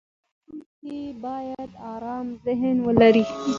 چلوونکی باید ارام ذهن ولري.